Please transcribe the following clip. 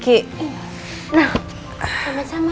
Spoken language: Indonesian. karena kita masih anak